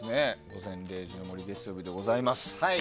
「午前０時の森」でございます。